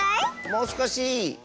もうすこし？